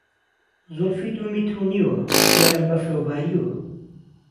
زولفی دوو میتر و نیوه، یارم بهفره و باریوه